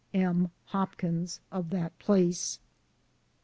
M. Hopkins, of that place.